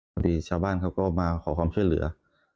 พอดีชาวบ้านเขาก็มาขอความช่วยเหลือ